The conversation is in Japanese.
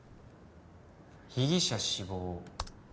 「被疑者死亡」